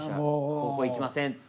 高校行きませんって